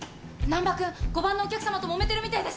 難破君５番のお客さまともめてるみたいです！